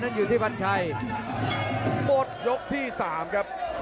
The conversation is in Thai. ขวางแขงขวาเจอเททิ้ง